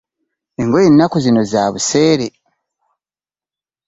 Engoye ennaku zino za buseere.